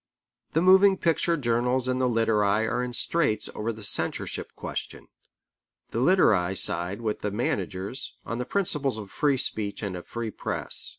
The moving picture journals and the literati are in straits over the censorship question. The literati side with the managers, on the principles of free speech and a free press.